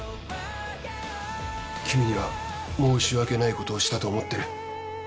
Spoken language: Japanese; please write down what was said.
君には申し訳ないことをしたと思ってる。